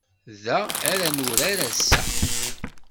Da ara nurar ass-a.